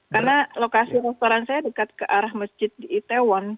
karena lokasi restoran saya dekat ke arah masjid di itaewon